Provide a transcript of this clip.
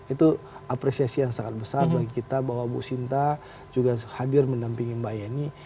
itu apresiasi yang sangat besar bagi kita bahwa bu sinta juga hadir mendampingi mbak yeni